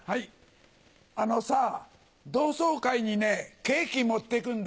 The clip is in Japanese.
あのさ同窓会にねケーキ持ってくんだ。